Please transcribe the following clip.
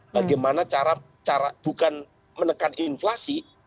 bagaimana cara bukan menekan inflasi